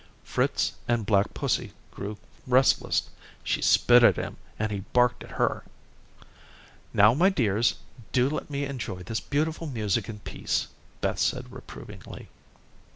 Fritz and black pussy grew restless. She spit at him, and he barked at her. "Now, my dears, do let me enjoy this beautiful music in peace," Beth said reprovingly.